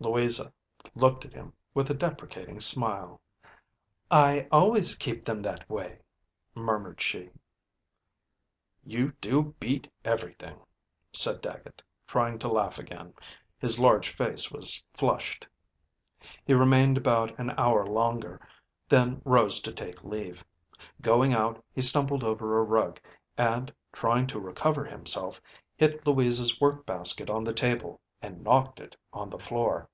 Louisa looked at him with a deprecating smile. " I always keep them that way," murmured she. "You do beat everything," said Dagget, trying to laugh again. His large face was flushed. He remained about an hour longer, then rose to take leave. Going out, he stumbled over a rug, and trying to recover himself, hit Louisa's work basket on the table, and knocked it on the floor.